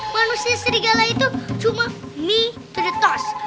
manusia segala itu cuma mitos